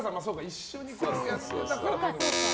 一緒にやってたから。